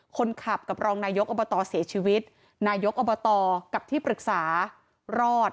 คนขับกับรองนายกอบตเสียชีวิตนายกอบตกับที่ปรึกษารอด